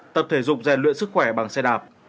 tập thể dục rèn luyện sức khỏe bằng xe đạp